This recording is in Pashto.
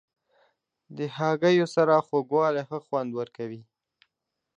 د هګیو سره خوږوالی ښه خوند ورکوي.